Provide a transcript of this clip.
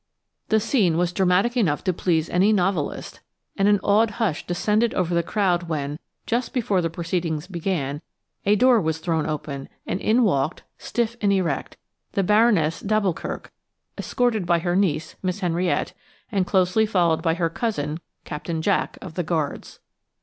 The scene was dramatic enough to please any novelist, and an awed hush descended over the crowd when, just before the proceedings began, a door was thrown open, and in walked–stiff and erect–the Baroness d'Alboukirk, escorted by her niece, Miss Henriette, and closely followed by her cousin, Captain Jack, of the Guards.